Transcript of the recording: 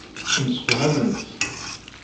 Msefhament.